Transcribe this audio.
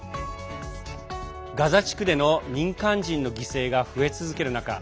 ガザ地区での民間人の犠牲が増え続ける中